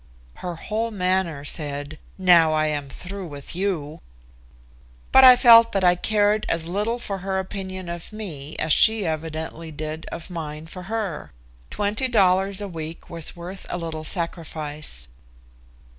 Her whole manner said: "Now I am through with you." But I felt that I cared as little for her opinion of me as she evidently did of mine for her. Twenty dollars a week was worth a little sacrifice.